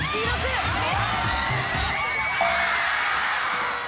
あれ？